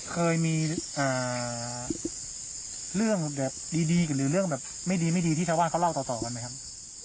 เคยมีเรื่องแบบดีหรือเรื่องแบบไม่ดีไม่ดีที่ชาวบ้านเขาเล่าต่อกันไหมครับ